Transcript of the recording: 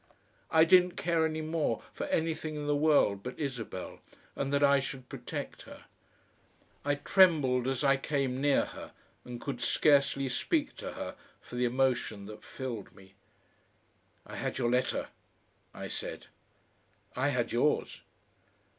I didn't care any more for anything in the world but Isabel, and that I should protect her. I trembled as I came near her, and could scarcely speak to her for the emotion that filled me.... "I had your letter," I said. "I had yours."